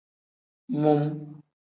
Mum.